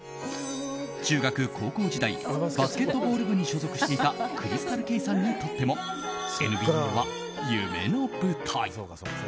中学・高校時代バスケットボール部に所属していたＣｒｙｓｔａｌＫａｙさんにとっても、ＮＢＡは夢の舞台。